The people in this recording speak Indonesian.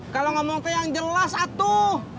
kalau ngomong ke yang jelas satu